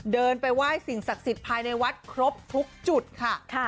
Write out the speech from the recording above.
เดินไปไหว้สิ่งศักดิ์สิทธิ์ภายในวัดครบทุกจุดค่ะ